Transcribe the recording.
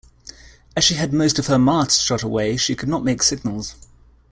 As she had most of her masts shot away she could not make signals.